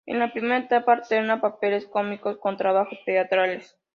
En la primera etapa alterna papeles cómicos con trabajos teatrales.